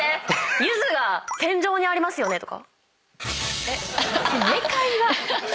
柚子が天井にありますよねとか？